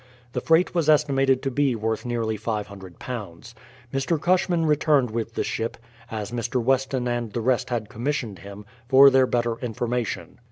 The freight was estimated to be worth nearly £500. Mr. Cushman returned with the ship, as Mr. Weston and the rest had commissioned him, for their better information.